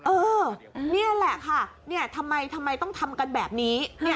เออเนี่ยแหละค่ะเนี่ยทำไมทำไมต้องทำกันแบบนี้